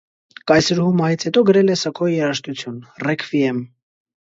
Կայսրուհու մահից հետո գրել է սգո երաժշտություն (ռեքվիեմ)։